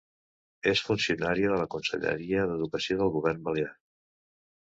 És funcionària de la Conselleria d'Educació del Govern Balear.